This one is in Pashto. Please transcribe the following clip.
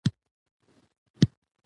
افغانستان د هندوکش کوربه دی.